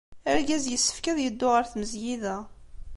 Argaz yessefk ad yeddu ɣer tmezgida.